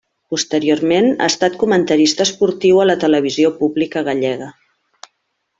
Posteriorment, ha estat comentarista esportiu a la televisió pública gallega.